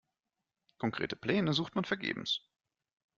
Konkrete Pläne sucht man vergebens.